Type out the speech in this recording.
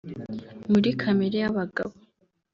muri kamere y’abagabo